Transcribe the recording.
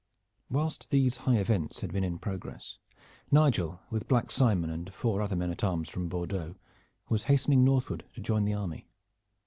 Whilst these high events had been in progress, Nigel with Black Simon and four other men at arms from Bordeaux, was hastening northward to join the army.